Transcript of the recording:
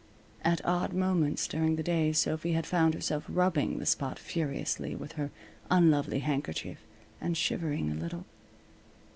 At odd moments during the day Sophy had found herself rubbing the spot furiously with her unlovely handkerchief, and shivering a little.